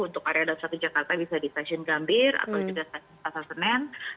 untuk area daopsatu jakarta bisa di stasiun gambir atau juga stasiun pasasemen